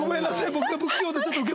僕が。